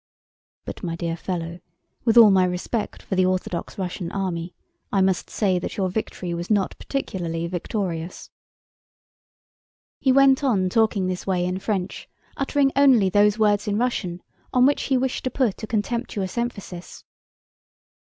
"But my dear fellow, with all my respect for the Orthodox Russian army, I must say that your victory was not particularly victorious." He went on talking in this way in French, uttering only those words in Russian on which he wished to put a contemptuous emphasis.